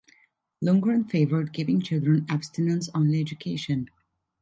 Lungren favored giving children abstinence only education.